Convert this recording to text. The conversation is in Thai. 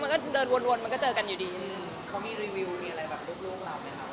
แต่ว่าตอนนี้เริ่มเป็นจุ๊บตาหรือเปล่าแต่แหละคนแบบอยากเจออยากเห็น